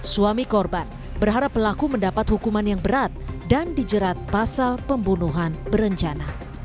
suami korban berharap pelaku mendapat hukuman yang berat dan dijerat pasal pembunuhan berencana